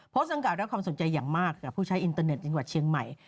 โพสต์สังกราบและความสนใจอย่างมากกับผู้ใช้อินเทอร์เน็ตจนกว่าเชียงใหม่